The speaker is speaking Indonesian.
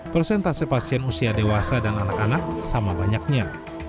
persentase pasien usia dewasa dan anak anak sama banyaknya